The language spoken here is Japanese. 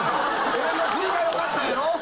俺のフリがよかったやろ？